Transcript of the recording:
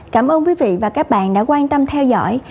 cảm ơn quý vị và các bạn đã quan tâm theo dõi